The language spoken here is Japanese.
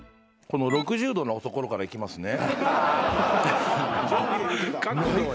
この６０度のところからいきますね。